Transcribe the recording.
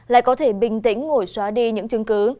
lại có thể bình tĩnh ngồi xóa đi những chứng cứ